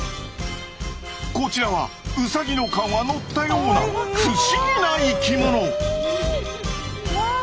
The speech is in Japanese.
こちらはウサギの顔がのったような不思議な生きもの！